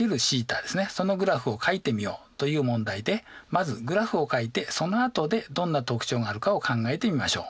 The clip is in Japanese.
そのグラフをかいてみようという問題でまずグラフをかいてそのあとでどんな特徴があるかを考えてみましょう。